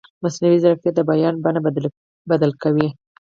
مصنوعي ځیرکتیا د بیان بڼه بدله کوي.